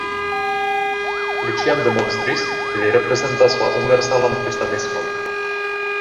Li ĉiam demonstris, ke li reprezentas la universalan kristanismon.